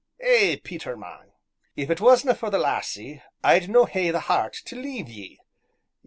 "Eh, Peter, man! if it wasna' for the lassie, I'd no hae the heart tae leave ye.